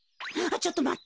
ちょっとまって。